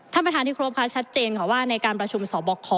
ท่านประธานที่ครบค่ะชัดเจนค่ะว่าในการประชุมสอบคอ